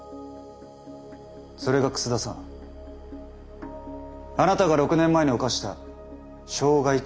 それが楠田さんあなたが６年前に犯した傷害致死事件でしたね。